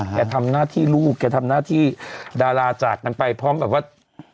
แกทำหน้าที่ลูกแกทำหน้าที่ดาราจากกันไปพร้อมแบบว่า